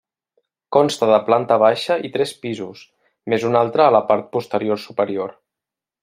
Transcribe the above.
Consta de planta baixa i tres pisos, més un altre a la part posterior superior.